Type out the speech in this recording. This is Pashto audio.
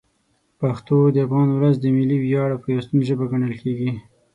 پښتو د افغان ولس د ملي ویاړ او پیوستون ژبه ګڼل کېږي.